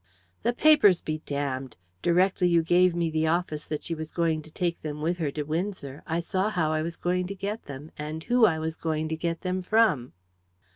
"The papers be damned! Directly you gave me the office that she was going to take them with her to Windsor, I saw how I was going to get them, and who I was going to get them from."